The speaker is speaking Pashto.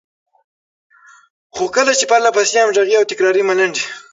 خو کله چې پرلهپسې، همغږې او تکراري ملنډې،